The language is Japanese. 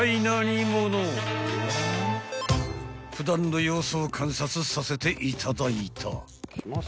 ［普段の様子を観察させていただいた］